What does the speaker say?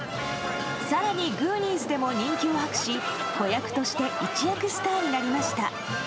更に「グーニーズ」でも人気を博し子役として一躍スターになりました。